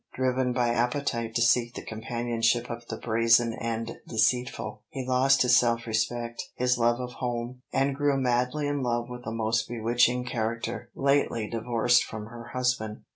Driven by appetite to seek the companionship of the brazen and deceitful, he lost his self respect, his love of home, and grew madly in love with a most bewitching character, lately divorced from her husband.